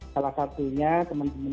salah satunya teman teman